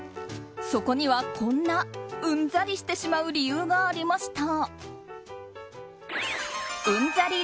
そこには、こんなうんざりしてしまう理由がありました。